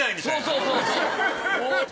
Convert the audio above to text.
そうそうそう。